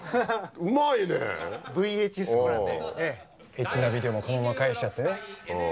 エッチなビデオもこのまま返しちゃってね。